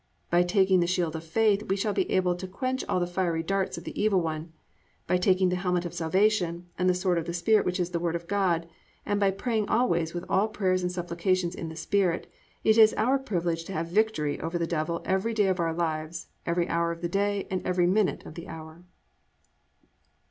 By taking "the shield of faith" we shall be "able to quench all the fiery darts of the evil one," by taking "the helmet of salvation," and the "sword of the Spirit which is the Word of God," and by "praying always with all prayer and supplication in the Spirit," it is our privilege to have victory over the Devil every day of our lives, every hour of the day, and every minute of the hour.